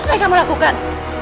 apa yang kamu lakukan